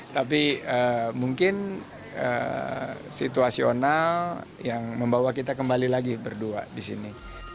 tapi mungkin situasional yang membawa kita kembali lagi berdua di sini